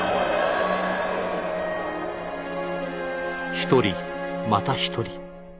一人また一人。